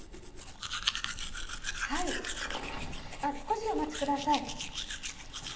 はいあっ少しお待ちください。